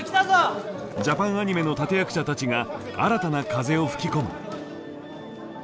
ジャパンアニメの立て役者たちが新たな風を吹き込む。